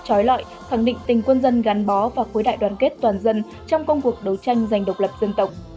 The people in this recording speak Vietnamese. trói lọi khẳng định tình quân dân gắn bó và khối đại đoàn kết toàn dân trong công cuộc đấu tranh giành độc lập dân tộc